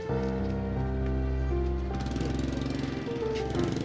aku ingin didorong dahulu